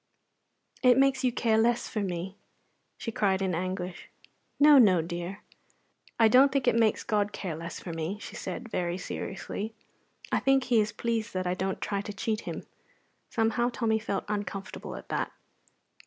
"It makes you care less for me!" she cried in anguish. "No, no, dear." "I don't think it makes God care less for me," she said, very seriously. "I think He is pleased that I don't try to cheat Him." Somehow Tommy felt uncomfortable at that.